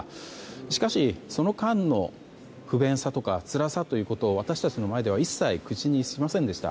しかし、その間の不便さとかつらさということを私たちの前では一切口にしませんでした。